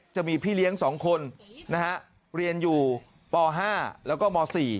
จะมีพี่เลี้ยง๒คนเรียนอยู่ป๕แล้วก็ม๔